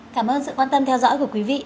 cảm ơn sự quan tâm theo dõi của quý vị